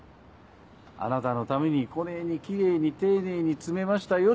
「あなたのためにこねぇにキレイに丁寧に詰めましたよ」